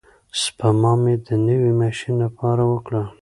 سپما مې د نوي ماشین لپاره وکړه.